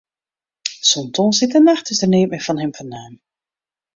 Sûnt tongersdeitenacht is neat mear fan him fernaam.